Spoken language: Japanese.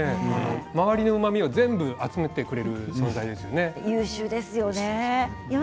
周りのうまみを全部集めてくれる存在ですよね。